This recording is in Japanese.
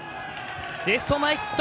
レフト前ヒット。